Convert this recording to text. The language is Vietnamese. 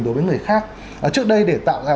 đối với người khác trước đây để tạo ra